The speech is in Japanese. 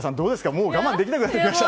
もう我慢できなくなってきました。